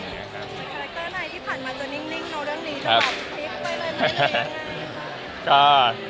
คาแรกเตอร์ไหนที่ผ่านมาจะนิ่งโดยเรื่องนี้จะหลับคลิปไปเลยไหมได้ยังไง